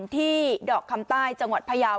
ที่ดอกคำใต้จังหวัดพยาว